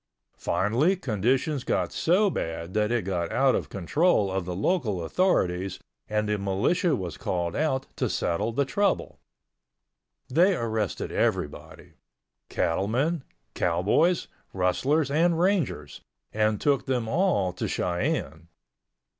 Finally conditions got so bad that it got out of control of the local authorities and the militia was called out to settle the trouble. They arrested everybody—cattlemen, cowboys, rustlers and Rangers, and took them all to Cheyenne.